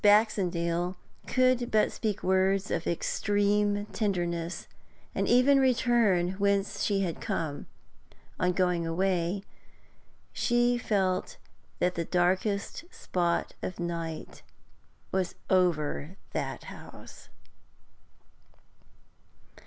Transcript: Baxendale could but speak words of extreme tenderness, and return whence she had come. On going away, she felt that the darkest spot of night was over that house.